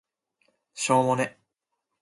しょーもね